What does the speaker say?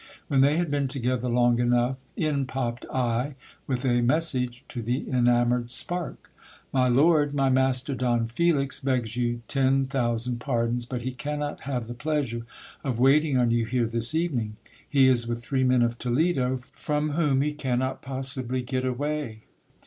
When they had been together long enough, in popped I, with a message to the enamoured spark. My lord, my master Don Felix begs you ten thousand pardons, but he cannot have the pleasure of waiting on you here this evening. He is with three men of Toledo, from whom he cannot possibly get a \ ay.